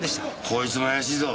こいつも怪しいぞ。